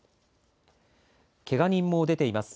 けが人も出ています。